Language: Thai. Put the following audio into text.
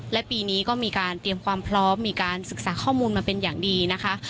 และปีนี้ก็มีการเตรียมความพร้อมมีการศึกษาข้อมูลมาเป็นอย่างดีนะคะ